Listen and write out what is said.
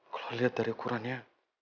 kalo liat dari ukurannya